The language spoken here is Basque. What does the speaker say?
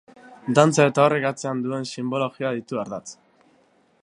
Dantza eta horrek atzean duen sinbologia ditu ardatz.